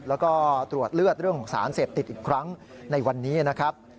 แล้วก็ตรวจเลือดเรื่องของสารเสพติดอีกครั้งในวันนี้นะครับ